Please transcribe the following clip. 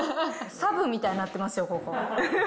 サブみたいになってますよ、ここ。